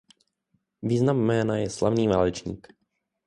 Význam jména je „Slavný válečník“.